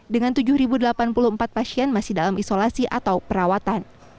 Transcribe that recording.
dengan tujuh delapan puluh empat pasien masih dalam isolasi atau perawatan